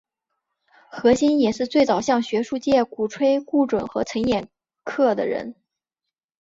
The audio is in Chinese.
何新也是最早向学术界鼓吹顾准和陈寅恪的人。